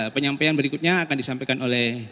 penyampaian berikutnya akan disampaikan oleh